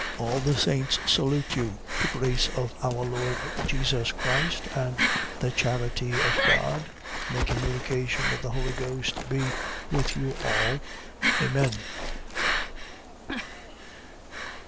All the saints salute you. 13:13. The grace of our Lord Jesus Christ and the charity of God and the communication of the Holy Ghost be with you all. Amen.